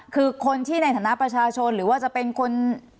คือคนที่ในฐานะประชาชนหรือว่าจะเป็นคน